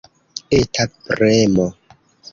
Eta premo.